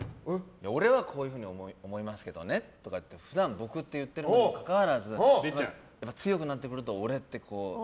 俺はこういうふうに思いますけどねって普段僕って言ってるにもかかわらず強くなってくると俺って。